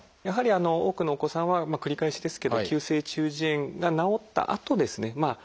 やはり多くのお子さんは繰り返しですけど急性中耳炎が治ったあとですね